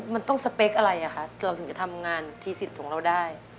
มันต้องสเปคอะไรอ่ะคะเราถึงจะทำงานทีสิทธิ์ของเราได้